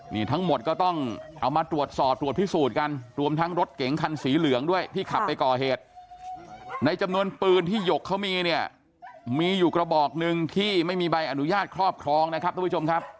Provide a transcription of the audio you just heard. นี่ทั้งหมดก็ต้องเอามาตรวจสอบตรวจพิสูจน์กันรวมทั้งรถเก๋งคันสีเหลืองด้วยที่ขับไปก่อเหตุในจำนวนปืนที่หยกเขามีเนี่ยมีอยู่กระบอกหนึ่งที่ไม่มีใบอนุญาตครอบครองนะครับทุกผู้ชมครับ